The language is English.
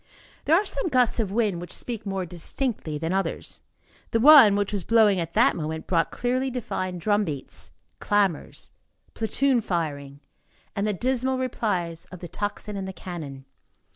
There are some gusts of wind which speak more distinctly than others. The one which was blowing at that moment brought clearly defined drum beats, clamors, platoon firing, and the dismal replies of the tocsin and the cannon.